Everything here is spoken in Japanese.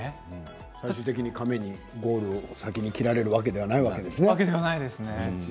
最終的にカメにゴールを先に切られるわけではないんですね。